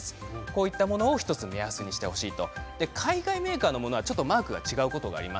こういったものを１つの目安にしてほしいと。